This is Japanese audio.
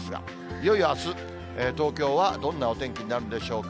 いよいよあす、東京はどんなお天気になるんでしょうか。